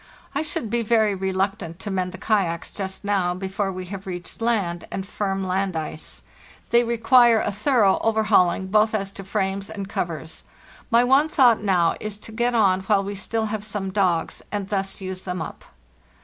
I should be very reluctant to mend the kayaks just now, before we have reached land and firm land ice. They require a thorough overhauling, both as to frames and covers. My one thought now is to get on while we still have some dogs, and thus use them up.